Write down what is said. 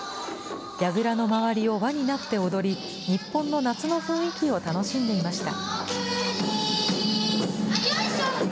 やぐらの周りを輪になって踊り、日本の夏の雰囲気を楽しんでいました。